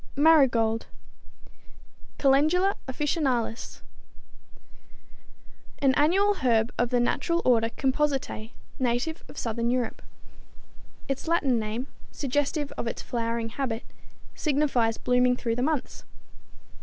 =Marigold= (Calendula officinalis, Linn.), an annual herb of the natural order Compositæ, native of southern Europe. Its Latin name, suggestive of its flowering habit, signifies blooming through the months.